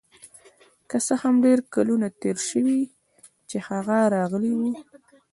که څه هم ډیر کلونه تیر شوي چې هغه راغلی و